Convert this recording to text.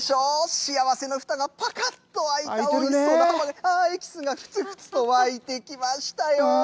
幸せのふたがぱかっと開いたおいしそうなはまぐり、ああ、エキスがふつふつと沸いてきましたよ。